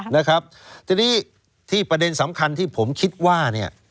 ทีนี้ที่ประเด็นสำคัญที่ผมคิดว่า